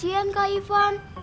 iya kasian kak ivan